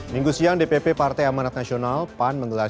live ya langsung ya